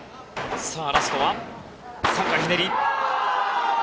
ラストは３回ひねり。